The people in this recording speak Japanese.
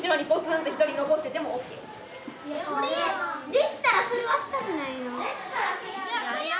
できたらそれはしたくないなあ。